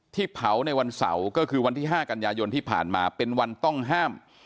เผาในวันเสาร์ก็คือวันที่๕กันยายนที่ผ่านมาเป็นวันต้องห้าม